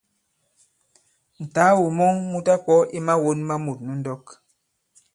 Ǹtàagò mɔn mu ta-kwɔ̄ i mawōn ma mût nu ndɔk.